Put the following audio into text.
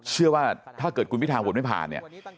เชื่อว่าถ้าเกิดคุณพิธางโหวตไม่ผ่าน